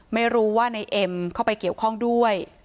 ไม่รู้ว่านายเอ็มเข้าไปเกี่ยวข้องด้วย